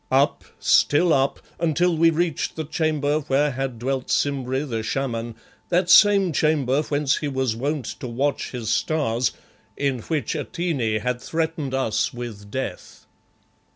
Up, still up, until we reached the chamber where had dwelt Simbri the Shaman, that same chamber whence he was wont to watch his stars, in which Atene had threatened us with death.